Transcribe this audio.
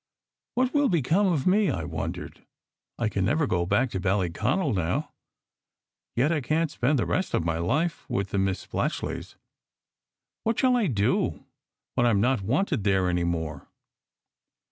"What will become of me?" I wondered. "I can never go back to Ballyconal now. Yet I can t spend the rest of my life with the Miss Splatchleys. What shall I do when I m not wanted there any more?"